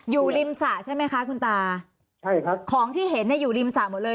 อยู่ริมสระใช่ไหมคะคุณตาใช่ครับของที่เห็นเนี่ยอยู่ริมสระหมดเลย